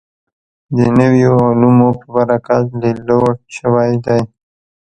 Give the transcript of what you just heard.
د نویو علومو په برکت لید لوړ شوی دی.